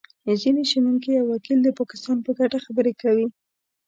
ځینې شنونکي او وکیل د پاکستان په ګټه خبرې کوي